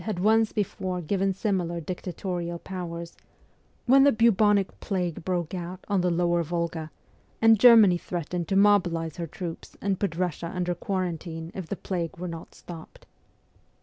had once before given similar dictatorial powers, when the bubonic plague broke out on the Lower Volga, and Germany threatened to mobilize her troops and put Russia under quarantine if the plague were not stopped.